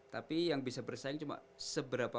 tapi yang bisa bersaing cuma seberapa